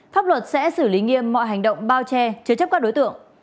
pháp luật sẽ xử lý nghiêm mọi hành động bao che chứa chấp các đối tượng